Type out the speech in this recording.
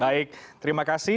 baik terima kasih